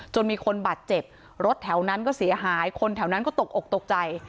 มีคนบาดเจ็บรถแถวนั้นก็เสียหายคนแถวนั้นก็ตกอกตกใจ